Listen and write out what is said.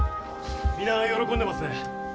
皆喜んでますね。